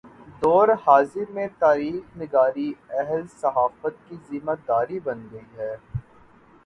دور حاضر میں تاریخ نگاری اہل صحافت کی ذمہ داری بن گئی ہے۔